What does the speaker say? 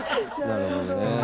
なるほどね。